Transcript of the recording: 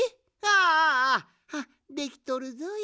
ああできとるぞい。